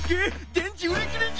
電池売り切れじゃ！